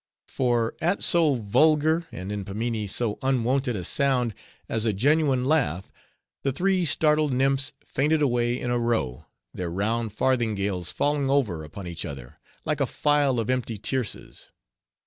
For at so vulgar, and in Pimminee, so unwonted a sound, as a genuine laugh, the three startled nymphs fainted away in a row, their round farthingales falling over upon each other, like a file of empty tierces.